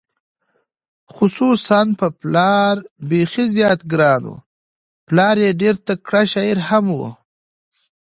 خصوصا په پلار بېخي زیات ګران و، پلار یې ډېر تکړه شاعر هم و،